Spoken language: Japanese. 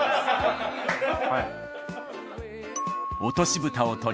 はい。